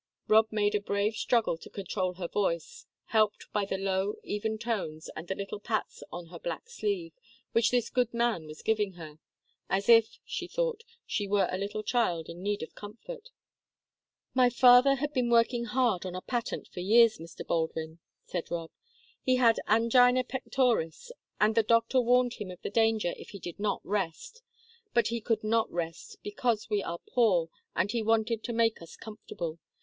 Rob made a brave struggle to control her voice, helped by the low, even tones, and the little pats on her black sleeve which this good man was giving her as if, she thought, she were a little child in need of comfort. "My father had been working hard on a patent for years, Mr. Baldwin," said Rob. "He had angina pectoris, and the doctor warned him of the danger if he did not rest, but he could not rest, because we are poor, and he wanted to make us comfortable.